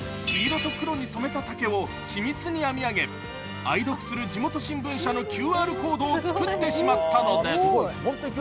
黄色と黒に染め上げた竹を緻密に編み上げ、愛読する地元新聞社のＱＲコードを作ってしまったのです。